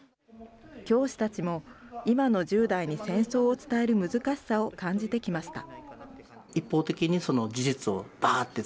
教師たちも今の１０代に戦争を伝える難しさを感じてきました。